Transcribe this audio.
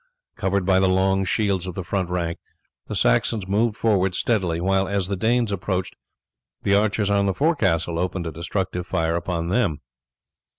Covered by the long shields of the front rank the Saxons moved forward steadily, while, as the Danes approached, the archers on the forecastle opened a destructive fire upon them.